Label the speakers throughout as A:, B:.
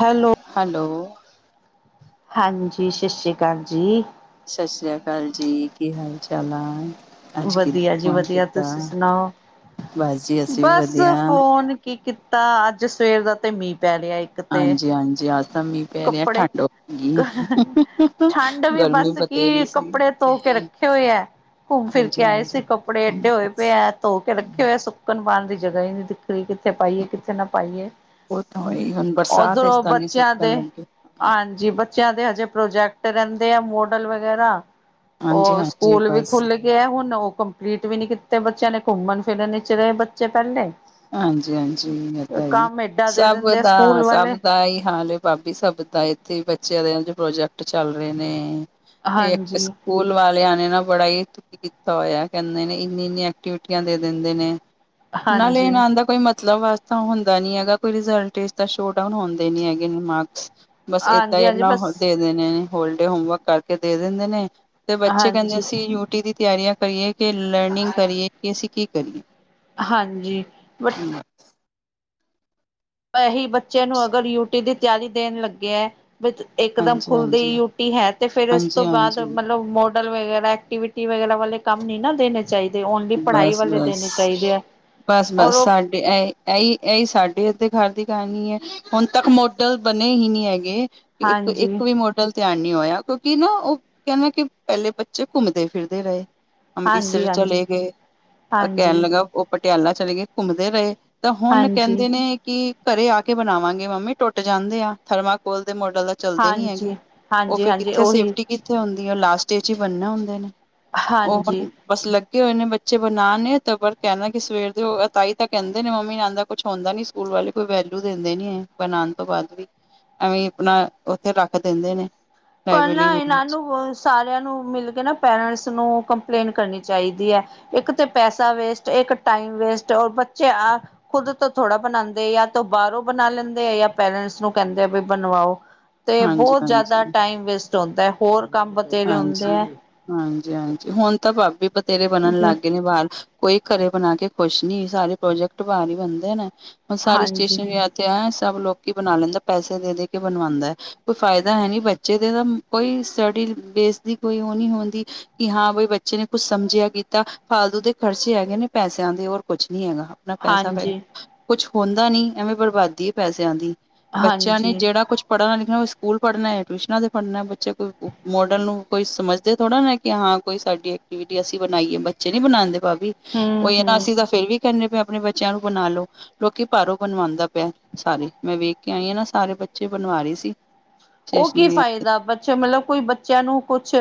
A: Hello
B: hello
A: ਹਾਂਜੀ ਸਸ ਸ੍ਰੀ ਕਾਲ ਜੀ।
B: ਸਤਿ ਸ੍ਰੀ ਅਕਾਲ ਜੀ ਕੀ ਹਾਲ ਚਾਲ ਆ। ਅੱਜ ਕਿੱਦਾਂ
A: ਵਧੀਆ ਜੀ
B: ਫੋਨ
A: ਵਧੀਆ
B: ਕੀਤਾ
A: ਤੁਸੀਂ ਸੁਣਾਓ,
B: ਬਸ ਜੀ ਅਸੀਂ ਵੀ
A: ਬਸ
B: ਵਧੀਆ
A: ਫੋਨ ਕੀ ਕੀਤਾ ਅੱਜ ਸਵੇਰ ਦਾ ਤੇ ਮੀਂਹ ਪੈ ਰਿਹਾ ਏ।
B: ਹਾਂਜੀ ਹਾਂਜੀ ਅਜ ਤਾਂ ਮੀਂਹ ਪੈ ਰਿਆ ਠੰਡ ਹੋ ਗਈ ਏ ਗਰਮੀ ਬ
A: ਕੀ ਕੱਪੜੇ ਧੋ ਕੇ ਰੱਖੇ ਹੋਏ ਹੈ, ਘੁੰਮ ਫਿਰ
B: ਹਾਂਜੀ
A: ਕੇ ਆਏ
B: ਹਾਂਜੀ
A: ਸੀ ਕੱਪੜੇ ਐਡੇ ਹੋਏ ਪਏ
B: ਬਸ
A: ਹੈ ਧੋ ਕੇ ਰੱਖੇ ਹੋਏ ਸੁੱਕ ਸੁਕਣ ਪਾਨ ਦੀ ਜਗ੍ਹਾ ਹੀ ਨੀ ਦਿਖ ਰੀ ਕਿੱਥੇ ਪਾਈਏ ਕਿੱਥੇ ਨਾ ਪਾਈਏ।
B: ਉਹ ਤਾਂ ਹੋਈ ਹੁਣ ਬਰਸਾਤ ਇਸ
A: ਉਧਰੋਂ
B: ਟੇਮਸ ਨਿ
A: ਬੱਚਿਆਂ
B: ਸੁੱਕਣ
A: ਦੇ
B: ਲੱਗੇ।
A: ਹਾਂਜੀ ਬੱਚਿਆਂ ਦੇ ਹਜੇ ਪ੍ਰੋਜੈਕਟ ਰਹਿੰਦੇ ਆ ਮੋਡਲ ਵਗੈਰਾ।
B: ਹਾਂਜੀ
A: ਉਹ
B: ਹਾਂਜੀ
A: ਸਕੂਲ ਵੀ
B: ਬਸ
A: ਖੁੱਲ ਤੇ ਇਹ ਹੁਣ ਉਹ ਕੰਪਲੀਟ ਵੀ ਨੀ ਕੀਤੇ ਬੱਚਿਆਂ ਨੇ ਘੁੰਮਣ ਫਿਰਨ ਵਿਚ ਰਹੇ ਬੱਚੇ ਪਹਲੇ।
B: ਹਾਂਜੀ-ਹਾਂਜੀ ਇਹ ਤਾਂ ਹੀ
A: ਦੇ
B: ਸਭ
A: ਦਿੰਦੇ ਆ ਸਕੂਲ
B: ਦਾ
A: ਵਾਲੇ
B: ਸਭ ਦਾ ਹੀ ਹਾਲ ਏ। ਭਾਬੀ ਸਬ ਦਾ ਇੱਥੇ ਬੱਚਿਆਂ ਦੇ ਪ੍ਰੋਜੈਕਟ ਚੱਲ ਰਹੇ ਨੇ ਇਹ ਇੱਕ
A: ਹਾਂਜੀ
B: ਸਕੂਲ ਵਾਲਿਆਂ ਨੇ ਨਾ ਬੜਾ ਈ ਕੀਤਾ ਹੋਇਆ ਕਹਿੰਦੇ ਨੇ ਇੰਨੀ-ਇੰਨੀ ਐਕਟੀਵਿਟੀਆਂ ਦੇ ਦਿੰਦੇ ਨੇ ਨਾਲੇ
A: ਹਾਂਜੀ
B: ਇਹਨਾਂ ਦਾ ਕੋਈ ਮਤਲਬ ਵਸ ਤਾਂ ਹੁੰਦਾ ਨੀ ਹੈਗਾ, ਕੋਈ ਰਿਜ਼ਲਟ ਚ ਤਾਂ ਸ਼ੋ ਡਾਊਨ ਹੁੰਦੇ ਨੀ ਹੈਗੇ ਮਾਕਸ। ਬਸ ਏਦਾਂ
A: ਹਾਂਜੀ
B: ਹੀ
A: ਹਾਂਜੀ
B: ਆਪਣਾ
A: ਬਸ
B: ਹੋ ਦੇ ਦੇ ਨੇ ਹੋਲ ਡੇ ਹੋਮਵਰਕ ਕਰਕੇ ਦੇ ਦਿੰਦੇ ਨੇ ਤੇ ਬੱਚੇ ਕਹਿੰਦੇ
A: ਹਾਂਜੀ
B: ਸੀ ਯੂ ਟੀ ਦੀ ਤਿਆਰੀਆਂ ਭਰੀਏ ਕਿ ਲੈਡਨਿੰਗ ਕਰੀਏ ਕਿ ਅਸੀਂ ਕੀ ਕਰੀਏ।
A: ਹਾਂਜੀ। ਬਟ
B: ਹੂੰ [unintelligible]
A: ਇਹੀ ਬੱਚੇ ਨੂੰ ਅਗਰ ਯੂਟੀ ਦੀ ਤਿਆਰੀ ਦੇਣ ਲੱਗੇ ਐ। ਇਕ ਦਮ ਖੁੱਲਦੀ
B: ਹਾਂਜੀ-ਹਾਂਜੀ
A: ਯੂਟੀ ਹੈ, ਤੇ ਫੇਰ ਇਸ ਤੋਂ ਬਾਅਦ
B: ਹਾਂਜੀ-ਹਾਂਜੀ,
A: ਮਤਲਬ ਮ ਡਲ ਵਗੈਰਾ ਐਕਟੀਵਿਟੀ ਵਗੈਰਾ ਵਾਲੇ ਕੰਮ ਨੀ ਨਾ ਦੇਣੇ ਚਾਹੀਦੇ ਓਨਲੀ ਪੜ੍ਹਾਈ ਵਾਲੇ
B: ਬਸ-ਬਸ,
A: ਦੇਣੇ ਚਾਹੀਦੇ ਐ ਔਰ ਉਹ
B: ਇਹੀ-ਇਹੀ ਸਾਡੇ ਅੱਦੇ ਘਰ ਦੀ ਕਹਾਣੀ ਐ। ਹੁਣ ਤੱਕ ਮੋਡਲ ਬਣੇ ਹੀ ਨਹੀਂ ਹੈਗੇ,
A: ਹਾਂਜੀ
B: ਇੱਕ-ਇੱਕ ਵੀ ਮੋਡਲ ਪਲ ਧਿਆਨ ਨਹੀਂ ਹੋਇਆ ਕਿਉਂਕਿ ਨਾ ਉਹ ਕਹਿੰਦੇ ਕਿ ਪਹਿਲੇ ਬੱਚੇ ਘੁੰਮਦੇ ਫਿਰਦੇ ਰਹੇ
A: ਹਾਂਜੀ
B: ਅੰਮ੍ਰਿਤਸਰ
A: ਹਾਂਜੀ
B: ਚਲੇ ਗਏ ਕਹਿਣ
A: ਹਾਂਜੀ
B: ਲੱਗਾ ਉਹ ਪਟਿਆਲਾ ਚਲੇ ਗਏ ਘੁੰਮਦੇ ਰਹੇ। ਤਾਂ ਹੁਣ
A: ਹਾਂਜੀ,
B: ਕਹਿੰਦੇ ਨੇ ਕਿ ਘਰੇ ਆ ਕੇ ਬਣਾਵਾਂਗੇ ਮੰਮੀ ਟੁੱਟ ਜਾਂਦੇ ਆ ਥਰਮਾਕੋਲ ਦੇ ਮਾਡਲ। ਚੱਲਦੇ ਨੀ ਹੈਗੇ
A: ਹਾਂਜੀ,
B: ਉਹ
A: ਹਾਂਜੀ,
B: ਫਿਰ
A: ਹਾਂਜੀ
B: ਕਿੱਥੇ
A: ਉਹੀ
B: ਸੇਫਟੀ ਕਿ ਥੇ ਹੁੰਦੀ ਹੈ ਉਹ ਲਾਸਟ ਏਚ ਹੀ ਬੰਨਨੇ ਹੁੰਦੇ ਨੇ ਉਹ
A: ਹਾਂਜੀ।
B: ਹੁਣ ਬਸ ਲ ਉਹ ਨੇ ਬੱਚੇ ਬਣਾ ਨੇ ਤੇ ਪਰ ਕਹਿਣਾ ਕਿ ਸਵੇਰ ਦੇ ਉਹ ਤਾਈ ਤਾਂ ਕਹਿੰਦੇ ਨੇ ਮੰਮੀ ਨੈ ਆਦਾ ਕੁਛ ਹੁੰਦਾ ਨੀ ਸਕੂਲ ਵਾਲੇ ਕੋਈ ਵੈਲਊ ਦਿੰਦੇ ਨੀ ਐ, ਬਣਾਉਣ ਤੋਂ ਬਾਅਦ ਵੀ। ਐਵੇਂ ਆਪਣਾ, ਉੱਥੇ ਰੱਖ ਦਿੰਦੇ ਨੇ।
A: ਪਰ
B: ਲਾਇਬ੍ਰੇਰੀ
A: ਨਾ
B: ਰੂਮ
A: ਇਹਨਾਂ
B: ਵਿੱਚ
A: ਨੂੰ ਬ ਸਾਰਿਆਂ ਨੂੰ ਮਿਲ ਕੇ ਨਾ ਪੇਰੈਂਟਸ ਨੂੰ ਕੰਪਲੇਂਨ ਕਰਨੀ ਚਾਹੀਦੀ ਐ। ਇੱਕ ਤੇ ਪੈਸਾ ਵੇਸਟ ਇੱਕ ਟਾਈਮ ਵੇਸਟ ਉਹ ਬੱਚੇ ਆ ਖੁਦ ਤੋਂ ਥੋੜਾ ਬਣਾਉਂਦੇ ਆ, ਜਾਂ ਤੋਂ ਬਾਹਰੋਂ ਬਣਾ ਲੈਂਦੇ ਆ ਜਾਂ ਪੇਰੈਂਟਸ ਨੂੰ ਕਹਿੰਦੇ ਆ ਵੀ ਬਣਵਾਓ। ਤੇ ਬਹੁਤ ਜ਼ਿਆਦਾ
B: ਹਾਂਜੀ-ਹਾਂਜੀ
A: ਟਾਈਮ ਵੇਸਟ ਹੁੰਦਾ ਐ, ਹੋਰ ਕੰਮ ਬਥੇਰੇ ਹੁੰਦੇ
B: ਹਾਂਜੀ
A: ਐ।
B: ਹਾਂਜੀ ਹਾਂਜੀ, ਹੁਣ ਤਾਂ ਭਾਬੀ ਬਥੇਰੇ ਬਣਨ ਲੱਗ ਗਏ ਨੇ ਬਾਹਰ ਕੋਈ ਘਰੇ ਬਣਾ ਕੇ ਖੁਸ਼ ਨੀ, ਸਾਰੇ ਪ੍ਰੋਜੈਕਟ ਬਾਹਰ ਹੀ ਬਣਦੇ ਨੇ ਹੁਣ ਸਾਰੀ
A: ਹਾਂਜੀ,
B: ਸਟੇਸ਼ਨ ਤੇ ਹੈਂ ਸਭ ਲੋਕ ਹੀ ਬਣਾ ਲੈਂਦਾ, ਪੈਸੇ ਦੇ ਦੇ ਕੇ ਬਣਵਾਉਂਦਾ ਐ। ਕੋਈ ਫਾਇਦਾ ਹੈ ਨਹੀਂ, ਬੱਚੇ ਦੇ ਤਾਂ ਕੋਈ ਸਟੱਡੀ ਬੇਸ ਦੀ ਕੋਈ ਉਹ ਨਹੀਂ ਹੁੰਦੀ। ਕਿ ਹਾਂ ਬਈ ਬੱਚੇ ਨੇ ਕੁੱਛ ਸਮਝਿਆਂ ਕੀਤਾ, ਫਾਲਤੂ ਦੇ ਖਰਚੇ ਹੈਗੇ ਨੇ ਪੈਸਿਆਂ ਦੇ ਹੋਰ ਕੁੱਛ ਨੀ ਹੈਗਾ। ਨਾ ਪੈਸਾ ਫੇ,
A: ਹਾਂਜੀ,
B: ਕੁਛ ਹੁੰਦਾ ਨੀ ਐਵੇਂ ਬਰਬਾਦੀ ਐ ਪੈਸਿਆਂ ਦੀ। ਬੱਚਿਆਂ ਨੇ
A: ਹਾਂਜੀ,
B: ਜਿਹੜਾ ਕੁਛ ਪੜ੍ਹਨਾ ਲਿਖਣਾ, ਉਹ ਸਕੂਲ ਪੜ੍ਹਨਾ ਟਿਊਸ਼ਨਾਂ ਦੇ ਪੜ੍ਹਨਾ ਬੱਚੇ ਕਈ ਉ ਮੋ ਡਲ ਨੂੰ ਕੋਈ ਸਮਝਦੇ ਥੋੜਾ ਨਾ, ਕਿ ਹਾਂ ਕੋਈ ਸਾਡੀ ਐਕਟੀਵਿਟੀ ਐ ਅਸੀਂ ਬਣਾਈਏ ਬੱਚੇ ਨੀ ਬਣਾਉਂਦੇ ਭਾਬੀ। ਉਹ
A: ਹੂੰ,
B: ਹੈ ਨਾ
A: ਹੂੰ।
B: ਅਸੀਂ ਤਾਂ, ਫੇਰ ਵੀ ਕਹਿੰਦੇ ਪਏ ਆਪਣੇ ਬੱਚਿਆਂ ਨੂੰ ਬਣਾ ਲੋ। ਲੋਕੀ ਭਾਰੋਂ ਬਣਵਾਉਂਦਾ ਪਿਆ, ਸਾਰੇ ਮੈਂ ਵੇਖ ਕੇ ਆਈ ਹਾਂ ਨਾ ਸਾਰੇ ਬੱਚੇ ਬਣਵਾ ਰਹੀ ਸੀ।
A: ਉਹ ਕੀ
B: ਸਟੇਸ਼ਨਰੀ ਵਾਸਤੇ
A: ਫਾਇਦਾ ਬੱਚੇ ਮਤਲਬ ਕੋਈ ਬੱਚਿਆਂ ਨੂੰ ਕੁਛ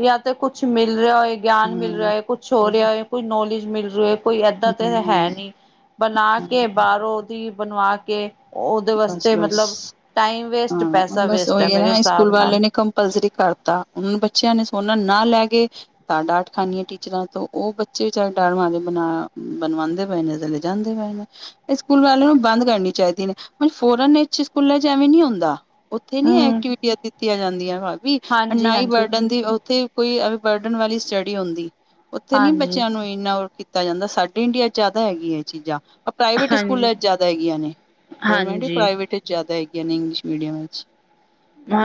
A: ਜਾਂ ਤੇ ਕੁਛ ਮਿਲ ਰਿਹਾ ਹੋਏ। ਗਿਆਨ ਮਿਲ ਰਿਹਾ
B: ਹਮ।
A: ਐ, ਕੁਛ ਹੋ
B: ਹਮ
A: ਰਿਹਾ ਐ, ਕੋਈ ਨੌਲੇਜ ਮਿਲ ਰਿਹਾ ਹੋਏ, ਕੋਈ ਏਦਾਂ ਤੇ ਹੈ
B: ਹਮ
A: ਨਹੀਂ। ਬਣਾ
B: ਹਮ,
A: ਕੇ ਬਾਹਰੋਂ ਉਹਦੀ ਬਣਵਾ ਕੇ, ਉਹਦੇ
B: ਬਸ
A: ਵਾਸਤੇ ਮਤਲਬ
B: ਬਸ
A: ਟਾਈਮ ਵੇਸਟ
B: ਹਾਂ
A: ਪੈਸਾ
B: ਬਸ
A: ਵੇਸਟ ਹੈ
B: ਉਹੀ
A: ਮੇਰੇ
B: ਨਾ ਸਕੂਲ
A: ਹਿਸਾਬ ਨਾਲ
B: ਵਾਲਿਆਂ ਨੇ ਕੰਪਲਸਰੀ ਕਰਤਾ, ਉਹ ਬੱਚਿਆਂ ਨੇ ਸੋਨਾ ਨਾ ਲੈ ਕੇ ਤਾ ਡਾਂਟ ਖਾਣੀਏ ਟੀਚਰਾਂ ਤੋਂ ਉਹ ਬੱਚੇ ਵਿਚਾਰੇ ਡਰਮੇ ਬਣਾ ਬਣਵਾਉਂਦੇ ਪਏ ਜਾਂਦੇ ਪਏ ਇਹ ਸਕੂਲ ਵਾਲੇ ਨੂੰ ਬੰਦ ਕਰਨੀ ਚਾਹੀਦੀ ਨੇ, ਫੋਰਨ ਦੇ ਵਿਚ ਸਕੂਲਾਂ ਚ ਆਵੇ ਨੀ ਹੁੰਦਾ। ਉੱਥੇ ਨੀ
A: ਹਮ
B: ਐਕਟੀਵਿਟੀਆਂ ਦਿੱਤੀਆਂ ਜਾਂਦੀਆਂ ਵਾ ਵੀ,
A: ਹਾਂਜੀ
B: ਨਾਈ
A: ਹਾਂਜੀ
B: ਵਰਡਨ ਦੀ ਉੱਥੇ ਕੋਈ ਬਰਡਨ ਵਾਲੀ ਸਟੱਡੀ ਹੁੰਦੀ, ਉੱਥੇ ਨੀ
A: ਹਾਂਜੀ
B: ਬੱਚਿਆਂ ਨੂੰ ਇੰਨਾ ਉ ਕੀਤਾ ਜਾਂਦਾ, ਸਾਡੇ ਇੰਡੀਆ ਚ ਜ਼ਿਆਦਾ ਹੈਗੀਆਂ ਇਹ ਚੀਜ਼ਾਂ। ਪ੍ਰਾਈਵੇਟ
A: ਹਾਂਜੀ ਹਾਂਜੀ
B: ਸਕੂਲਾਂ ਚ ਜ਼ਿਆਦਾ ਹੈਗੀਆਂ ਨੇ, ਗੌਰਮੈਂਟ ਹੀ
A: ਹਾਂਜੀ
B: ਪ੍ਰਾਈਵੇਟ ਚ ਜ਼ਿਆਦਾ ਹੈਗੀਆਂ ਨੇ, ਇੰਗਲਿਸ਼ ਮੀਡੀਅਮ ਵਿੱਚ,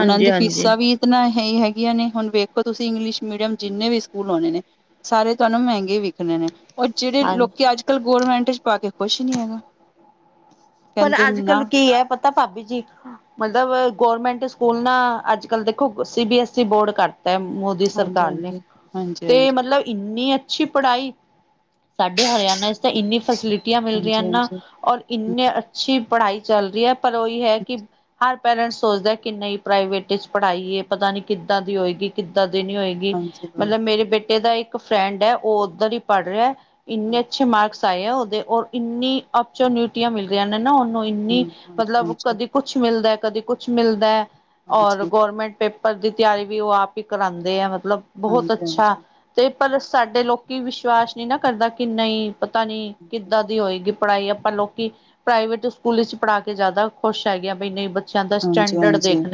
B: ਉਹਨਾਂ ਦੀ ਫੀਸਾਂ ਵੀ ਹੈ ਹੀ ਹੈਗੀਆਂ ਨੇ, ਹੁਣ ਵੇਖੋ ਤੁਸੀਂ ਇੰਗਲਿਸ਼ ਮੀਡੀਅਮ ਜਿੰਨੇਂ ਵੀ ਸਕੂਲ ਆਉਣੇ ਨੇ ਸਾਰੇ ਤੁਹਾਨੂੰ ਮਹਿੰਗੇ ਹੀ ਵਿਖਣੇ ਨੇ। ਔਰ ਜਿਹੜੇ
A: ਹਾਂਜੀ
B: ਲੋਕੀ ਅੱਜ ਕੱਲ੍ਹ ਗੌਰਮੈਂਟ ਚ ਪਾ ਕੇ ਖੁਸ਼ ਨਹੀਂ ਹੈਗਾ।
A: ਪਰ
B: ਕਹਿੰਦੇ
A: ਅੱਜ
B: ਨਾ
A: ਕੱਲ ਕੀ ਐ, ਪਤਾ ਭਾਬੀ ਜੀ। ਮਤਲਬ ਗੌਰਮੈਂਟ ਸਕੂਲ ਨਾ ਅੱਜ ਕੱਲ ਦੇਖੋ, C B S E board ਕਰਦਾ ਐ, ਮੋ ਦੀ
B: ਹਾਂਜੀ
A: ਸਰਕਾਰ ਨੇ,
B: ਹਾਂਜੀ ਹਾਂਜੀ
A: ਤੇ
B: ਹਾਂਜੀ
A: ਮਤਲਬ ਇੰਨੀ ਅੱਛੀ ਪੜ੍ਹਾਈ, ਸਾਡੇ ਹਰਿਆਣਾ ਵਿੱਚ ਇੰਨੀ ਫੈਸਿਲਟੀ ਕਿਆ ਮਿਲ ਰਹੀਆਂ
B: ਹਾਂਜੀ
A: ਨਾ
B: ਹਾਂਜੀ
A: ਔਰ ਇੰਨੀ ਅੱਛੀ ਪੜ੍ਹਾਈ ਚੱਲ ਰਹੀ ਹੈ ਪਰ ਉਹੀ ਹੈ ਕਿ ਹਰ ਪੈਰੈਂਟਸ ਸੋਚਦਾ ਕਿ ਨਹੀਂ ਪ੍ਰਾਈਵੇਟ ਇਚ ਪੜ੍ਹਾਈਏ ਪਤਾ ਨ ਨਹੀਂ ਕਿੱਦਾਂ ਦੀ ਹੋਏਗੀ ਕਿੱਦਾਂ ਦੀ ਨੀ ਹੋਏਗੀ
B: ਹਾਂਜੀ
A: ਮਤਲਬ
B: ਬਸ
A: ਮੇਰੇ ਬੇਟੇ ਦਾ ਇੱਕ ਫਰੈਂਡ ਹੈ ਉਹ ਉੱਧਰ ਹੀ ਪੜ੍ਹ ਰਿਹਾ ਇੰਨੇ ਅੱਛੇ
B: ਹਾਂਜੀ
A: ਮਾਰਕਸ ਤਾਯਾ ਉਹਦੇ ਔਰ ਇੰਨੀ ਓਪਰਚਨਿਟੀਆਂ ਮਿਲ ਰਹੀਆਂ ਨੇ ਨਾ ਉਹਨੂੰ ਇੰਨੀ
B: ਹਮ ਹਾਂਜੀ
A: ਮਤਲਬ
B: ਹਾਂਜੀ
A: ਕਦੇ ਕੁਛ ਮਿਲਦਾ ਕਦੇ ਕੁਛ ਮਿਲਦਾ ਔਰ
B: ਹਾਂਜੀ
A: ਗੌਰਮੈਂਟ ਪੇ ਪੇਪਰ ਦੀ ਤਿਆਰੀ ਵੀ ਉਹ ਆਪ ਹੀ ਕਰਾਂਦੇ ਆ ਮਤਲਬ ਬਹੁਤ ਅੱਛਾ
B: ਹਾਂਜੀ ਹਾਂਜੀ
A: ਤੇ ਪਰ ਸਾਡੇ ਲੋਕ ਕਿ ਵਿਸ਼ਵਾਸ ਨਹੀਂ ਨਾ ਕਰਦਾ ਕਿ ਨਹੀਂ ਪਤਾ ਨੀ
B: ਹਾਂਜੀ
A: ਕਿੱਦਾਂ ਦੀ ਹੋਏਗੀ ਪੜ੍ਹਾਈ ਆਪਾਂ ਲੋਕੀ ਪ੍ਰਾਈਵੇਟ ਸਕੂਲ ਵਿੱਚ ਪੜ੍ਹਾ ਕੇ ਜ਼ਿਆਦਾ ਖੁਸ਼ ਹੈਗਾ ਬਈ ਨਹੀਂ ਬੱ
B: ਹਾਂਜੀ, ਹਾਂਜੀਂ,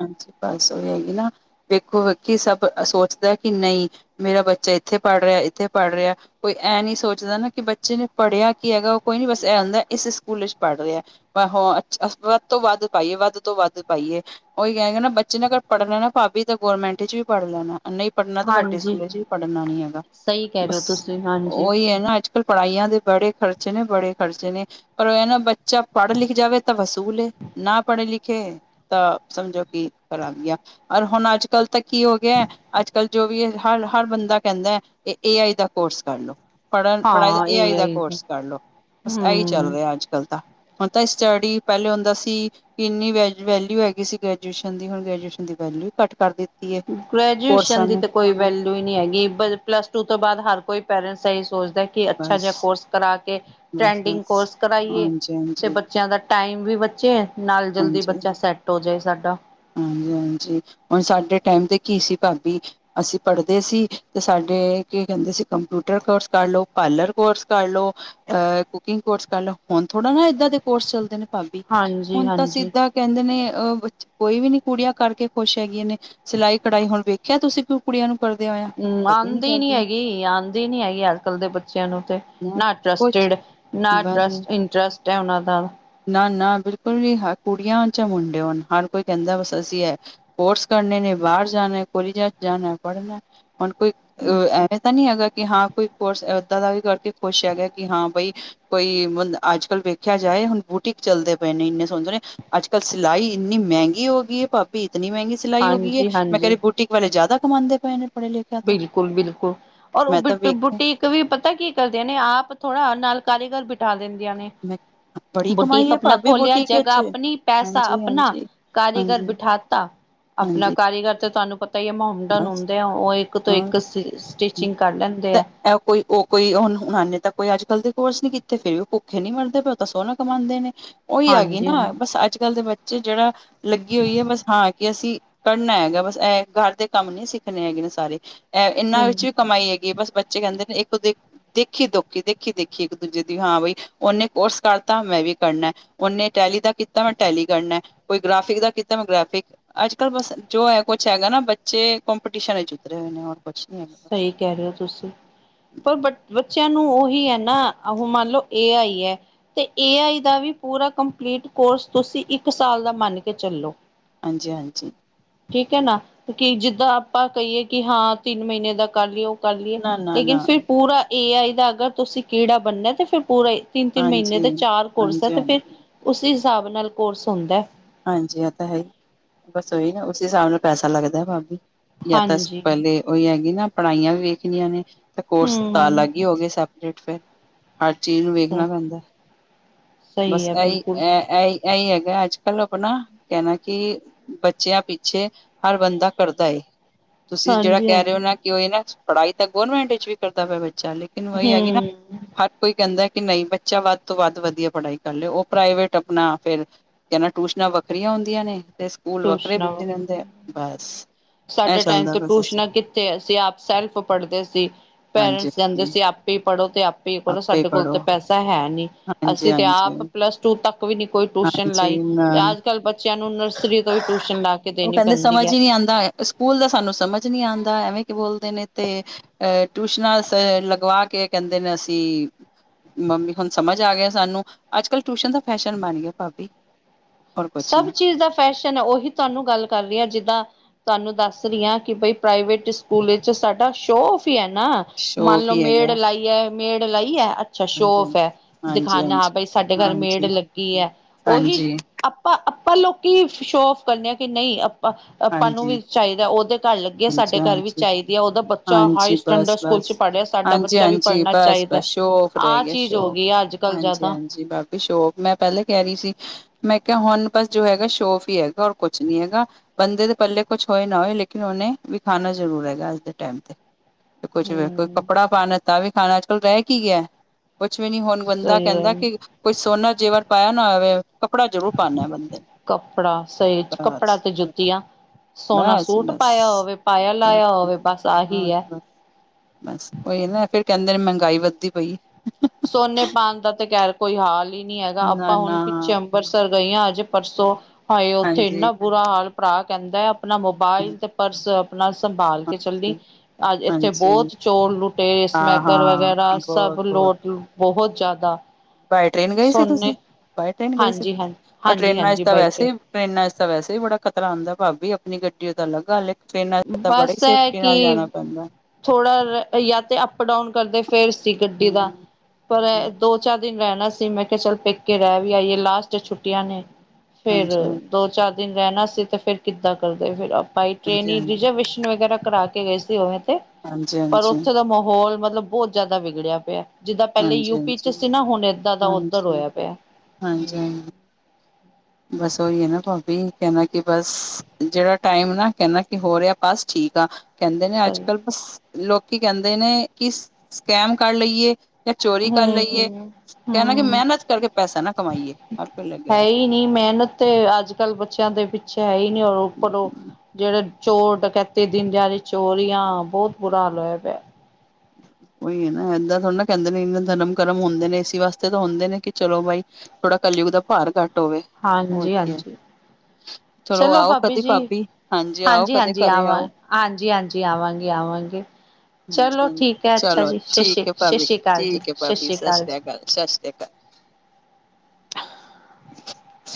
B: ਹਾਂਜੀ ਬਸ ਉਹੀ ਹੈਗੀ ਨਾ। ਵੇਖੋ -ਵੇਖੀ ਸਭ ਸੋਚਦਾ ਕਿ, ਨਹੀਂ ਮੇਰਾ ਬੱਚਾ ਇੱਥੇ ਪੜ੍ਹ ਰਿਹਾ, ਇੱਥੇ ਪੜ੍ਹ ਰਿਹਾ ਕੋਈ ਐਂ ਨੀ ਸੋਚਦਾ ਨਾ, ਕਿ ਬੱਚੇ ਨੇ ਪੜ੍ਹਿਆ ਕੀ ਹੈਗਾ ਉਹ ਕੋਈ ਨੀ ਬਸ ਇਹ ਹੁੰਦਾ, ਇਸ ਸਕੂਲ ਵਿੱਚ ਪੜ੍ਹ ਰਿਹਾ। ਆਹੋ, ਅਛ ਵੱਧ ਤੋਂ ਵੱਧ ਪਾਈ ਏ, ਵੱਧ ਤੋਂ ਵੱਧ ਪਾਈ ਏ। ਉਹੀ ਹੈ ਨਾ ਬੱਚੇ ਨੇ ਅਗਰ ਪੜ੍ਹਨਾ ਨਾ, ਭਾਬੀ ਤਾਂ ਗੌਰਮੈਂਟ ਚ ਵੀ ਪੜ੍ਹ ਲੈਣਾ ਨਹੀਂ ਪੜ੍ਹਨਾ ਤਾਂ ਵੱਡੇ
A: ਹਾਂਜੀ
B: ਸਕੂਲੇ ਚ ਵੀ ਪੜ੍ਹਨਾ ਨੀ, ਹੈਗਾ
A: ਸਹੀ ਕਹਿ ਰਹੇ ਹੋ
B: ਬਸ
A: ਤੁਸੀਂ ਹਾਂਜੀ
B: ਉਹੀ ਹੈ ਨਾ ਅੱਜ ਕੱਲ ਪੜ੍ਹਾਈਆਂ ਦੇ ਬੜੇ ਖਰਚੇ ਨੇ, ਬੜੇ ਖਰਚੇ ਨੇ ਪਰ ਉਹ ਇਹ ਨਾ ਬੱਚਾ ਪੜ੍ਹ ਲਿਖ ਜਾਵੇ ਤਾਂ, ਵਸੂਲ ਏ ਨਾ ਪੜ੍ਹੇ ਲਿਖੇ ਤਾਂ ਸਮਝੋ ਕੀ ਕਰਾਂਗੀਆਂ, ਪਰ ਹੁਣ ਅੱਜ ਕੱਲ੍ਹ ਤਾਂ ਕੀ ਹੋ ਗਿਐ ਅੱਜ ਕੱਲ੍ਹ ਜੋ ਵੀ ਹੈ, ਹਰ ਹਰ ਬੰਦਾ ਕਹਿੰਦੈ ਏ, ਏ -ਆਈ ਦਾ ਕੋਰਸ ਕਰ ਲਉ। ਪੜ੍ਹਨ ਪੜ੍ਹਾਈ ਦਾ
A: ਹਾਂ
B: ਏ -ਆਈ
A: ਇਹ
B: ਦਾ ਕੋਰਸ ਕਰ ਲੋ, ਬਸ ਇਹੀ ਚੱਲ
A: ਹਮ
B: ਰਿਹਾ ਅੱਜ ਕੱਲ ਤਾਂ। ਹੁਨ ਤਾਂ, ਸਟੱਡੀ, ਪਹਿਲੇ ਹੁੰਦਾ ਸੀ ਤਿ ਇੰਨੀ ਵੈ ਵੈਲਿਊ ਹੈਗੀ ਸੀ, ਗ੍ਰੈਜੂਏਸ਼ਨ ਦੀ, ਹੁਣ ਗ੍ਰੈਜੂਏਸ਼ਨ ਦੀ ਵੈਲਿਊ ਘੱਟ ਕਰ ਦਿੱਤੀ। ਹੈ
A: ਗ੍ਰੈਜੂਏਸ਼ਨ
B: ਕੋਰਸਾਂ
A: ਦੀ
B: ਨੇ
A: ਤੇ ਕੋਈ ਵੈਲਊ ਹੀ ਨਹੀਂ ਹੈਗੀ, ਪਲੱਸ ਟੂ ਤੋਂ ਬਾਅਦ ਹਰ ਕੋਈ ਪੇਰੈਂਟਸ ਇਹੀ ਸੋਚਦਾ ਕਿ ਅੱਛਾ
B: ਬਸ
A: ਜਿਹਾ ਕੋਰਸ ਕਰਾ ਕੇ
B: ਬਸ
A: ਟਰੈੰਡਿੰਗ
B: ਬਸ
A: ਕੋਰਸ ਕਰਾਈਏ
B: ਹਾਂਜੀ
A: ਤੇ ਬ
B: ਹਾਂਜੀ
A: ਬੱਚਿਆਂ ਦਾ ਟਾਈਮ ਵੀ ਬੱਚੇ, ਨਾਲ ਜਲਦੀ ਬੱਚਾ ਸੈੱਟ ਹੋ ਜਾਏ ਸਾਡਾ।
B: ਹਾਂਜੀ-ਹਾਂਜੀ, ਹੁਣ ਸਾਡੇ ਟਾਈਮ ਤੇ ਕੀ ਸੀ, ਭਾਬੀ ਅਸੀਂ ਪੜ੍ਹਦੇ ਸੀ, ਤੇ ਸਾਡੇ ਕੀ ਕਹਿੰਦੇ ਸੀ, ਕੰਪਿਊਟਰ ਕੋਰਸ ਕਰ ਲਓ, ਪਾਰਲਰ ਕੋਰਸ ਕਰ ਲਓ ਅਹ ਕੁਕਿੰਗ ਕੋਰਸ ਕਰ ਲਉ, ਹੁਣ ਥੋੜਾ ਨਾ ਏਦਾਂ ਦੇ ਕੋਰਸ ਚੱਲਦੇ ਨੇ ਭਾਬੀ,
A: ਹਾਂਜੀ
B: ਹੁਣ ਤਾਂ
A: ਹਾਂਜੀ
B: ਸਿਧਾ ਕਹਿੰਦੇ ਨੇ ਅ ਕੋਈ ਵੀ ਨੀ ਕੁੜੀਆਂ ਕਰਕੇ ਖੁਸ਼ ਹੈਗੀਆਂ, ਨੇ ਸਿਲਾਈ ਕਢਾਈ ਹੁਣ ਵੇਖਿਆ ਤੁਸੀਂ ਕੋਈ ਕੁੜੀਆਂ ਨੂੰ, ਕਰਦਿਆਂ ਹੋਇਆ।
A: ਹੂੰ
B: ਕਦੇ
A: ਆਉਂਦੀ ਨੀ
B: ਕਰਦੀਆਂ
A: ਹੈਗੀ, ਆਉਂਦੀ ਨੀ ਹੈਗੀ, ਅੱਜ -ਕੱਲ ਦੇ ਬੱਚਿਆਂ ਨੂੰ ਤੇ ਨਾ ਟਰਸਟਿਡ ਨਾ
B: ਬਸ
A: ਟਰਸਟ, ਇੰਟਰਸਟ ਹੈ ਉਹਨਾਂ ਦਾ
B: ਨਾ-ਨਾ, ਬਿਲਕੁਲ ਵੀ ਨੀ, ਕੁੜੀਆਂ ਹੋਣ, ਚਾਹੇ ਮੁੰਡੇ ਹੋਣ ਹਰ ਕੋਈ ਕਹਿੰਦਾ, ਬਸ ਅਸੀਂ ਇਹ ਕੋਰਸ ਕਰਨੇ ਨੇ, ਬਾਹਰ ਜਾਣੈ, ਕੋਲੇਜਾਂ ਚ ਜਾਣੈ ਪੜ੍ਹਨੈ। ਹੁਣ ਕੋਈ ਐਵੇਂ ਤਾਂ ਨਹੀਂ ਹੈਗਾ, ਕਿ ਹਾਂ ਕੋਈ ਕੋਰਸ ਏਦਾਂ ਦਾ ਵੀ ਕਰਕੇ ਖੁਸ਼ ਹੈਗਾ ਕਿ ਹਾਂ ਬਈ ਕੋਈ, ਅੱਜ- ਕੱਲ੍ਹ ਵੇਖਿਆ ਜਾਏ ਹੁਣ ਬੂਟੀਕ ਚੱਲਦੇ ਪਏ ਨੇ, ਇੰਨੇ ਸੋਹਣੇ, ਸੋਹਣੇ ਅੱਜ- ਕੱਲ੍ਹ ਸਿਲਾਈ ਇੰਨੀ ਮਹਿੰਗੀ ਹੋ ਗਈ ਏ, ਭਾਬੀ ਇਤਨੀ ਮਹਿੰਗੀ ਸਿਲਾਈ ਹੋ ਗਈ ਏ,
A: ਹਾਂਜੀ
B: ਮੈਂ ਕਿਹ
A: ਹਾਂਜੀ
B: ਰਹੀ ਬੂਟਿਕ ਵਾਲੇ ਜ਼ਿਆਦਾ ਕਮਾਂਦੇ ਪਏ ਨੇ। ਪੜ੍ਹੇ ਲਿਖਿਆ ਤੋਂ
A: ਬਿਲਕੁਲ-ਬਿਲਕੁਲ ਔਰ ਉਹ
B: ਮੈਂ
A: ਬ
B: ਤਾਂ ਵੇਖਿਆ
A: ਬੁਟੀ ਤਾਂ ਵੀ ਪਤਾ ਕੀ ਕਰਦੀਆਂ ਨੇ, ਆਪ ਥੋੜਾ ਨਾਲ, ਕਾਰੀਗਰ ਬਿਠਾ ਦਿੰਦੇ--ਹ ਦਿਆਂ ਨੇ
B: ਮੈਂ ਬੜੀ ਕਮਾਈ
A: ਬੁਟੀਕ
B: ਹੈ
A: ਅਪਣਾ
B: ਭਾਬੀ
A: ਖੋਲਿਆ,
B: ਬੂਟੀਕ
A: ਜਗ੍ਹਾ
B: 'ਚ
A: ਅਪਣੀ, ਪੈਸਾ ਅਪਣਾ
B: ਹਾਂਜੀ-ਹਾਂਜੀ,
A: ਕਾਰੀਗਰ
B: ਹਾਂਜੀ-ਹਾਂਜੀ
A: ਬਿਠਾਤਾ, ਆਪਣਾ ਕਾਰੀਗਰ ਤੇ, ਤੁਹਾਨੂੰ ਪਤਾ ਤਾਂਈ ਮੋਮਡਨ
B: ਬਸ
A: ਹੁੰਦੇ ਆ, ਉਹ ਇੱਕ ਤੋਂ
B: ਹਾਂ
A: ਇੱਕ ਸ ਸਟਿਚਿੰਗ ਕਰ ਲੈਂਦੇ
B: ਤੇ
A: ਐ
B: ਇਹ ਕੋਈ, ਉਹ ਕੋਈ, ਉਹਨਾਂ ਨੇ ਤਾਂ ਕੋਈ ਅੱਜ- ਕੱਲ ਦੇ ਕੋਰਸ ਨੀ ਕੀਤੇ, ਫੇਰ ਉਹ ਭੁੱਖੇ ਨੀ ਮਰਦੇ ਉਹ ਤਾਂ ਸੋਹਨਾ ਕਮਾਂਦੇ ਨੇ। ਉਹੀ ਆ ਗਈ
A: ਹਾਂਜੀ
B: ਨਾ, ਬਸ ਅੱਜ ਕੱਲ੍ਹ ਦੇ ਬ ਜਿਹੜਾ ਲੱਗੀ ਹੋਈ ਹੈ, ਬਸ ਹਾਂ ਕਿ ਅਸੀਂ ਕਰਨਾ ਹੈ ਗਾ ਬਸ ਇਹ ਘਰ ਦੇੱ ਕੰਮ ਨੀ ਸਿੱਖਣੇ ਹੈਗੇ ਨੇ ਸਾਰੇ, ਇਹਨਾਂ ਵਿੱਚ
A: ਹਾਂਜੀ
B: ਵੀ ਕਮਾਈ ਹੈਗੀ ਹੈ, ਬਸ ਬੱਚੇ ਕਹਿੰਦੇ ਨੇ ਇੱਕ ਦੇ ਇਕ ਦੇਖੀ, ਦੁਖੀ, ਦੇਖੀ, ਦੇਖੀ ਇੱਕ ਦੂਜੇ ਦੀ ਹਾਂ, ਬਈ ਉਹਨੇ ਕੋਰਸ ਕਰਤਾ ਮੈਂ ਵੀ ਕਰਨੈ। ਉਹਨੇ ਟੈਲੀ ਦਾ ਕੀਤਾ, ਮੈਂ ਟੈਲੀ ਕਰਨਾ, ਕੋਈ ਗ੍ਰਾਫਿਕ ਦਾ ਕੀਤਾ, ਮੈਂ ਗ੍ਰਾਫਿਕ ਅੱਜ ਕੱਲ੍ਹ ਬਸ ਜੋ ਹੈ, ਕੁਛ ਹੈਗਾ ਨਾ ਬੱਚੇ ਕੋਂਪੀਟੀਸ਼ਨ ਵਿਚ ਉਤਰੇ ਹੋਰ ਕੁਛ ਨੀ ਹੈਗਾ। ਬਸ
A: ਸਹੀ ਕਹਿ ਰਹੇ ਹੋ ਤੁਸੀਂ, ਪਰ ਬ-ਬੱਚਿਆਂ ਨੂੰ ਉਹੀ ਹੈ ਨਾ। ਹੁਣ ਮੰਨ ਲਓ ਏ-ਆਈ ਐ ਤੇ, ਏ-ਆਈ ਦਾ ਵੀ ਪੂਰਾ ਕੰਪਲੀਟ ਕੋਰਸ ਤੁਸੀਂ ਇੱਕ ਸਾਲ ਦਾ ਮੰਨ ਕੇ ਚੱਲੋ।
B: ਹਾਂਜੀ ਹਾਂਜੀ,
A: ਠੀਕ ਹੈ ਨਾ ਕੀ ਜਿੱਦਾਂ ਆਪਾਂ ਕਹੀਏ ਕਿ ਹਾਂ, ਤਿੰਨ ਮਹੀਨੇ ਦਾ ਕਰ ਲਿਓ ਕਰ ਲਈਏ, ਲੇਕਿਨ
B: ਨਾ-ਨਾ-ਨਾ,
A: ਫਿਰ ਪੂਰਾ ਏ -ਆਈ ਦਾ ਅਗਰ ਤੁਸੀਂ ਕੀੜਾ ਬਣਨਾ ਤੇ ਫਿਰ ਪੂਰਾ ਤਿੰਨ-ਤਿੰਨ, ਮਹੀਨੇ
B: ਹਾਂਜੀ।
A: ਦਾ ਚਾਰ ਕੋਰਸ ਹੈ, ਤੇ ਫਿਰ
B: ਹਾਂਜੀ-ਹਾਂਜੀ, ਹਾਂਜੀ
A: ਉਸ ਹਿਸਾਬ ਨਾਲ ਕੋਰਸ ਹੁੰਦਾ ਹੈ।
B: ਹਾਂਜੀ, ਆ ਤਾਂ ਹੈ ਹੀ, ਬਸ ਉਹੀ ਨਾ ਉਸੇ ਹਿਸਾਬ ਨਾਲ ਪੈਸਾ ਲੱਗਦਾ ਭਾਬੀ ਜਾਂ ਤਾਂ
A: ਹਾਂਜੀ
B: ਪਹਿਲੇ ਉਹੀ ਹੈਗੀ ਨਾ ਪੜ੍ਹਾਈਆਂ ਵੀ ਵੇਖਣੀਆਂ ਨੇ ਤਾਂ ਕੋਰਸ ਤਾਂ
A: ਹੂੰ
B: ਅਲੱਗ ਹੀ ਹੋ ਗਏ ਸਭ ਫ ਹਰ ਚੀਜ਼ ਨੂੰ ਵੇਖਣਾ ਪੈਂਦੈ
A: ਸਹੀ
B: ਬਸ
A: ਹੈ
B: ਇਹੀ
A: ਬਿਲਕੁਲ
B: ਇਹ ਏ, ਇਹੀ ਹੈਗਾ ਅੱਜ ਕੱਲ ਆਪਣਾ ਕਹਿਣਾ, ਕਿ ਬੱਚਿਆਂ ਪਿੱਛੇ ਹਰ ਬੰਦਾ ਕਰਦਾ ਏ ਤੁਸੀਂ ਜਿਹੜਾ
A: ਹਾਂਜੀ
B: ਕਹਿ ਰਹੇ ਹੋ
A: ਹਾਂਜੀ
B: ਨਾ, ਕਿ ਉਹ ਨਾ ਪੜ੍ਹਾਈ ਤਾਂ ਗੌਰਰਮੈਂਟ ਵਿੱਚ ਵੀ ਕਰਦਾ ਪਿਆ ਬੱਚਾ ਲਈ। ਇਹਨੂੰ ਇਹ ਹੈਗੀ ਨਾ
A: ਹੂੰ
B: ਹਾ ਕੋਈ ਕਹਿੰਦਾ ਕਿ ਨਹੀਂ, ਬੱਚਾ ਵੱਧ ਤੋਂ ਵੱਧ ਵਧੀਆ ਪੜ੍ਹਾਈ ਕਰ ਲੋ। ਉਹ ਪ੍ਰਾਈਵੇਟ ਆਪਣਾ ਫਿਰ ਕਹਿੰਦਾ ਟੂਊਸ਼ਨਾਂ ਵੱਖਰੀਆਂ ਹੁੰਦੀਆਂ ਨੇ, ਤੇ ਸਕੂਲ
A: ਤੁਸੀਂ ਸੁਣਾਓ
B: ਵੱਖਰੇਜਣੇ ਹੁੰਦੇ ਬਸ ਇਹ
A: ਸਾਡੇ ਟਾਈਮ
B: ਚੱਲਦਾ
A: ਤੋਂ
B: ਪਿਆ ਸਿਸਟਮ
A: ਟਿਊਸ਼ਨਾਂ ਕਿੱਥੇ ਸੀ। ਆਪ ਸੈਲਫ ਪੜ੍ਹਦੇ ਸੀ,
B: ਹਾਂਜੀ
A: ਪੇਰੈਂਟਸ ਕਹਿੰਦੇ
B: ਹਾਂਜੀ
A: ਸੀ ਆਪ ਤੇ ਆਪੇ ਪੜ੍ਹੋ, ਤੇ ਆਪੇ ਹੀ ਕੋਲੋ ਸਾਡੇ ਕੋਲ ਤਾਂ ਪੈਸਾ ਹੈ ਨੀ।
B: ਹਾਂਜੀ
A: ਅਸੀਂ ਤੇ
B: ਹਾਂਜੀ
A: ਆਪ ਪਲੱਸ ਟੂ ਤੱਕ ਵੀ ਨੀ ਕੋਈ ਟਿਊਸ਼ਨ
B: ਹਾਂਜੀ
A: ਲਾਈ। ਤੇ
B: ਨਾਲ
A: ਅੱਜ ਕੱਲ ਬੱਚਿਆਂ ਨੂੰ ਕੋਈ ਟਿਊਸ਼ਨ ਲਾ ਕੇ ਦੇਣੀ ਪੈਂਦੀ ਹੈ।
B: ਕਿਸਦਾ ਏ, ਸਕੂਲ ਦਾ ਸਾਨੂੰ ਸਮਝ ਨੀ ਆਉਂਦਾ। ਐਵੇਂ ਕੀ ਬੋਲਦੇ ਨੇ ਤੇ ਅਹ ਟਿਊਸ਼ਨਾਂ ਅ ਲਗਵਾ ਕੇ ਕਹਿੰਦੇ ਨੇ ਅਸੀਂ ਮੰਮੀ ਹੁਣ ਸਮਝ ਆ ਗਿਆ ਸਾਨੂੰ। ਅੱਜ ਕੱਲ੍ਹ ਟਿਊਸ਼ਨ ਦਾ ਫੈਸ਼ਨ ਬਣ ਗਿਆ ਭਾਬੀ। ਹੋਰ ਕੁਛ
A: ਸਭ
B: ਨੀ
A: ਚੀਜ਼ ਦਾ ਫੈਸ਼ਨ ਹੈ। ਉਹੀ ਤੁਹਾਨੂੰ ਗੱਲ ਕਰ ਰਹੀ ਹਾਂ ਜਿੱਦਾਂ ਤੁਹਾਨੂੰ ਦੱਸ ਰਹੀ ਹਾਂ ਕਿ, ਬਈ ਪ੍ਰਾਈਵੇਟ ਸਕੂਲ ਚ ਸਾਡਾ ਸ਼ੋ-ਔਫ ਹੀ ਹੈ ਨਾ।
B: ਸ਼ੋਅ
A: ਮੰਨ ਲਓ
B: ਵੀ
A: ਮੇਡ
B: ਹੈਗਾ
A: ਲਾਈ ਐ। ਮੇਡ ਲਾਈ ਐ ਅੱਛਾ। ਸ਼ੋ-ਔਫ
B: ਹਾਂਜੀ-ਹਾਂਜੀ,
A: ਹੈ,
B: ਹਾਂਜੀ-ਹਾਂਜੀ,
A: ਦਿਖਾਣਾ ਹਾਂ, ਬਈ ਸਾਡੇ ਘਰ ਮੇਡ
B: ਹਾਂਜੀ,
A: ਲੱਗੀ ਹੈ। ਉਹੀ
B: ਹਾਂਜੀ,
A: ਆਪ-ਆਪਾਂ ਲੋਕੀ ਸ਼ੋ-ਆਫ ਕਰਨੇ ਆ ਕਿ ਨਹੀਂ ਆਪਾਂ ਨੂੰ
B: ਹਾਂਜੀ,
A: ਵੀ ਚਾਹੀਦਾ। ਉਹਦੇ ਘਰ ਲੱਗੇ ਆ
B: ਹਾਂਜੀ,
A: ਸਾਡੇ ਘਰ ਵੀ
B: ਹਾਂਜੀ,
A: ਚਾਹੀਦੀ ਆ ਉਹਦਾ ਬੱਚਾ ਹਾਈ
B: ਹਾਂਜੀ
A: ਸਟੈਂਡਰਡ ਸਕੂਲ ਚ
B: ਬਸ-ਬਸ
A: ਪੜ੍ਹ ਰਿਹਾ। ਸਾਡਾ ਬੱਚਾ ਵੀ
B: ਹਾਂਜੀ-ਹਾਂਜੀ
A: ਪੜ੍ਹਨਾ ਚਾਹੀਦਾ।
B: ਬਸ-ਬਸ
A: ਆਹ ਚੀਜ਼ ਹੋ ਗਈ ਆ ਅੱਜ ਕੱਲ੍ਹ
B: ਹਾਂਜੀ
A: ਜ਼ਿਆਦਾ
B: ਹਾਂਜੀ। ਵਾਕੀ ਸ਼ੋ-ਔਫ ਮੈਂ ਪਹਿਲੇ ਕਹਿ ਰਹੀ ਸੀ। ਮੈਂ ਕਿਹਾ ਹੁਣ ਬਸ ਜੋ ਹੈਗਾ ਸ਼ੋ-ਔਫ ਹੀ ਹੈਗਾ। ਔਰ ਕੁਛ ਨੀ ਹੈਗਾ। ਬੰਦੇ ਦੇ ਪੱਲੇ ਕੁਛ ਹੋਏ ਨਾ ਹੋਏ। ਲੇਕਿਨ ਉਹਨੇ ਵਿਖਾਣਾ ਜ਼ਰੂਰ ਹੈਗਾ, ਹੱਦ ਹੈ। ਤਾਈ ਤੇ, ਕੁਛ ਬਿਲਕੁਲ
A: ਹਮ
B: ਕੱਪੜਾ ਪਾਣਾ ਤਾਂ ਵੀ ਖਾਣਾ ਅੱਜ ਕੱਲ ਰਹਿ ਕੀ ਗਿਆ। ਕੁਛ ਵੀ ਨੀ ਹੁਣ ਬੰਦਾ
A: ਸਹੀ
B: ਕਹਿੰਦਾ
A: ਗੱਲ
B: ਕੀ, ਕੋਈ ਸੋਨਾ ਜੇਵਰ ਪਾਇਆ ਨਾ ਹੋਵੇ ਕੱਪੜਾ ਜ਼ਰੂਰ ਪਾੜਾ ਐ, ਬੰਦੇ ਨੇ
A: ਕੱਪੜਾ ਸਹੀ ਕੱਪੜਾ
B: ਬਸ
A: ਤੇ ਜੁੱਤੀਆਂ ਸੋਹਣਾ
B: ਬਸ
A: ਸੂਟ ਪਾਇਆ
B: ਬਸ
A: ਹੋਵੇ ਪਾਇਆ
B: ਬਸ
A: ਲਾਇਆ ਹੋਵੇ ਆਹੀ
B: ਬਸ
A: ਹੈ
B: ਬ ਸ-ਬਸ ਉਹੀ ਨਾ ਫੇਰ ਕਹਿੰਦੇ ਨੇ ਮਹਿੰਗਾਈ ਵੱਧਦੀ ਪਈ ਏ।
A: ਸੋਨੇ ਪਾਨ ਦਾ ਤੇ ਖੈਰ ਕੋਈ ਹਾਲ ਹੀ ਨਹੀਂ ਹੈਗਾ।
B: ਨਾ
A: ਆਪਾਂ
B: ਨਾ
A: ਹੁਣ ਪਿੱਛੇ ਅੰਮ੍ਰਿਤਸਰ ਗਈ ਹਾਂ ਅੱਜ ਪਰਸੋਂ। ਹਾਏ ਉੱਥੇ
B: ਹਾਂਜੀ
A: ਇੰਨਾ ਬੁਰਾ ਹਾਲ ਭਰਾ ਕਹਿੰਦਾ। ਆਪਣਾ ਮੋਬਾਇਲ ਤੇ ਪਰਸ ਆਪਣਾ ਸੰਭਾਲ ਕੇ ਚੱਲੀ
B: ਹਾਂਜੀ
A: ਅ ਇੱਥੇ
B: ਹਾਂਜੀ
A: ਬਹੁਤ ਚੋਲ ਲੁਟੇਰੇ,
B: ਹਾਂ
A: ਸਮੈਗਰ,
B: ਹਾਂ
A: ਵਗੈਰਾ ਸਭ
B: ਬਹੁਤ
A: ਲੋ
B: ਬਹੁਤ
A: ਕ, ਬਹੁਤ ਜ਼ਿਆਦਾ।
B: ਬਾਏ ਟ੍ਰੇਨ ਗਏਈ ਸੀ
A: ਸੋਨੇ
B: ਤੁਸੀਂ, ਬਾਏ ਟ੍ਰਰੇਨ ਗਏ ਸੀ।
A: ਹਾਂਜੀ ਹਾਂ
B: ਰ
A: ਹਾਂਜੀ
B: ਟ੍ਰੇਨਾਂ ਵਿੱਚ
A: ਹਾਂਜੀ
B: ਤਾਂ
A: ਬੈਠੇ
B: ਵੈਸੇ ਟ੍ਰਰੇਨਾਂ ਚ ਤਾਂ ਵੈਸੇ ਵੀ ਬੜਾ ਖਤਰਾ ਹੁੰਦਾ ਭਾਬੀ। ਆਪਣੀ ਗੱਡੀ ਉਹ ਤਾਂ ਅਲੱਗ ਏ।
A: ਬਸ ਐ ਕੀ
B: ਪੈਂਦਾ
A: ਥੋੜਾ ਜਾਂ ਤੇ ਅਪ ਡਾਊਨ ਕਰਦੇ ਫਿਰ ਸੀ ਗੱਡੀ ਦਾ।
B: ਹਮ
A: ਪਰ ਦੋ-ਚਾਰ ਦਿਨ ਰਹਿਣਾ ਸੀ। ਮੈਂ ਕਿਹਾ ਚੱਲ ਪੇਕੇ ਰਹਿ ਵੀ ਆਈਏ। ਲਾਸਟ ਛੁੱਟੀਆਂ ਨੇ ਫੇਰ
B: ਹਾਂਜੀ ਹਾਂਜੀ
A: ਦੋ-ਚਾਰ ਦਿਨ ਰਹਿਣਾ ਸੀ। ਤੇ ਫਿਰ ਕਿੱਦਾਂ ਕਰਦੇ, ਫਿਰ ਆਪਾਂ ਹੀ ਟ੍ਰੇਨ
B: ਹਾਂਜੀ
A: ਹੀ ਵਿਸ਼ਨ, ਵਗੈਰਾ ਕਰਾ ਕੇ ਗਏ ਸੀ ਉਵੇਂ ਤੇ,
B: ਹਾਂਜੀ ਹਾਂਜੀ
A: ਪਰ ਉੱਥੇ ਦਾ ਮਾਹੌਲ ਮਤਲਬ ਬਹੁਤ ਜ਼ਿਆਦਾ ਵਿਗੜਿਆ ਪਿਆ। ਜਿੱਦਾਂ ਪੈਲੇ
B: ਹਾਂਜੀ
A: ਯੂਪੀ ਚ
B: ਹਾਂਜੀ
A: ਸੀ ਨਾ, ਹੁਣ ਏਦਾਂ ਦਾ ਓਧਰ
B: ਹਾਂਜੀ
A: ਹੋਇਆ
B: ਹਾਂਜੀ
A: ਪਿਆ
B: ਹਾਂਜੀ
A: ਹੂੰ।
B: ਬਸ ਉਹੀ ਐ ਨਾ ਭਾਬੀ ਕਹਿੰਦਾ ਕਿ ਬਸ ਜੇੜਾ ਟਾਈਮ ਨਾ ਕਹਿੰਦਾ ਕਿ ਹੋ ਰਿਆ ਬਸ ਠੀਕ ਆ। ਕਹਿੰਦੇ ਨੇ
A: ਹਮ
B: ਅੱਜ-ਕੱਲ ਬਸ ਲੋਕੀ ਕਹਿੰਦੇ ਨੇ ਕਿ ਸਕੈਮ ਕਰ ਲਈਏ। ਜਾਂ ਚੋਰੀ ਕਰ ਲਈਏ।
A: ਹਮ
B: ਕਹਿਣਾ ਕਿ
A: ਹਮ
B: ਮਿਹਨਤ ਕਰਕੇ ਪੈਸਾ ਨਾ ਕਮਾਈਏ। ਆ ਕੀ
A: ਹੈ
B: ਲੱਗਿਆ।
A: ਹੀ ਨਹੀਂ ਮਿਹਨਤ ਤੇ ਅੱਜ ਕੱਲ੍ਹ ਬੱਚਿਆਂ ਦੇ ਪਿੱਛੇ ਹੈ ਹੀ ਨੀ। ਉੱਪਰੋ ਜਿਹੜੇ ਚੋਰ, ਡਕੈਤੇ ਦਿਨ ਦਿਹਾੜੇ ਚੋਰੀਆ ਬਹੁਤ ਬੁਰਾ ਹਾਲ ਹੋਇਆ ਪਿਆ।
B: ਉਹੀ ਨਾ। ਏਦਾਂ ਥੋੜਾ ਨਾ ਕਹਿੰਦੇ ਨੇ ਧਰਮ ਕਰਮ ਹੁੰਦੇ ਨੇ ਇਸ ਵਾਸਤੇ ਤਾਂ ਹੁੰਦੇ ਨੇ ਕਿ ਚਲੋ ਬਾਈ ਥੋੜਾ ਕੱਲੀ ਉਹਦਾ ਭਾਰ ਘੱਟ ਹੋਵੇ
A: ਹਾਂਜੀ
B: ਓਕੇ
A: ਹਾਂਜੀ। ਚਲੋ
B: ਆਓ
A: ਭਾਬੀ
B: ਕਦੇ
A: ਜੀ
B: ਆਓ
A: ਹਾਂਜੀ
B: ਕਦੇ
A: ਹਾਂਜੀ।
B: ਘਰੇ
A: ਆਵਾਂ,
B: ਆਓ
A: ਹਾਂਜੀ ਹਾਂਜੀ, ਆਵਾਂਗੇ ਆਵਾਂਗੇ
B: ਹਾਂਜੀ
A: ਚਲੋ।
B: ਹਾਂਜੀ।
A: ਠੀਕ ਹੈ। ਅੱਛਾ
B: ਚਲੋ
A: ਜੀ ਸ਼ਸ਼੍ਰੀ-
B: ਠੀਕ ਹੈ ਭਾਬੀ
A: ਸ਼੍ਰੀ ਅਕਾਲ ਜੀ,
B: ਠੀਕ ਹੈ
A: ਸਤਿ
B: ਭਾਬੀ
A: ਸ਼੍ਰੀ ਅਕਾਲ
B: ਸ੍ਰੀ
A: ਜੀ।
B: ਸਤਿ ਸ੍ਰੀ ਆਕਾਲ
A: [unintelligible]